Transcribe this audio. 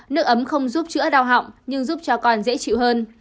nước ấm không giúp chữa đau họng nhưng giúp cho con dễ chịu hơn